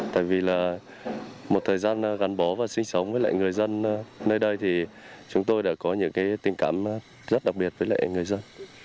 tại vì là một thời gian gắn bó và sinh sống với lại người dân nơi đây thì chúng tôi đã có những tình cảm rất đặc biệt với lại người dân